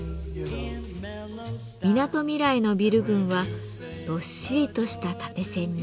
みなとみらいのビル群はどっしりとした縦線に。